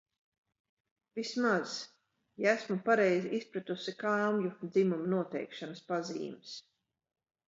Vismaz, ja esmu pareizi izpratusi kāmju dzimuma noteikšanas pazīmes...